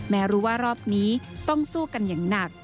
รู้ว่ารอบนี้ต้องสู้กันอย่างหนัก